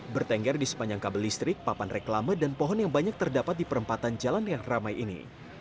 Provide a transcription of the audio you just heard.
bertengger di sepanjang kabel listrik papan reklama dan pohon yang banyak terdapat di perempatan jalan yang ramai ini